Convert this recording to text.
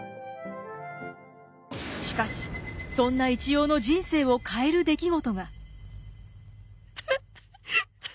しかしそんな一葉の人生を変える出来事が。